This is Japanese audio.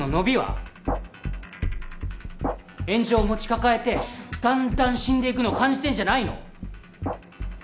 炎上持ち抱えてだんだん死んでいくの感じてんじゃないの？